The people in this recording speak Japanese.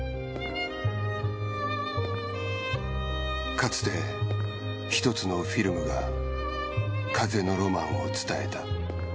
かつてひとつのフィルムが風のロマンを伝えた。